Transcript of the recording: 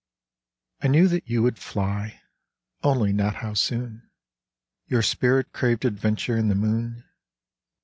I knew that you would fly, Only not how soon ! Your spirit craved adventure in the moon.